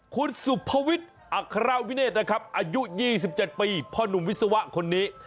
คุณสุภวิทย์อัครวิเนศนะครับอายุ๒๗ปีพ่อหนุ่มวิศวะคนนี้